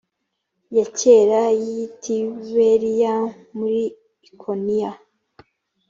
ya kera y i tiberiya muri ikoniya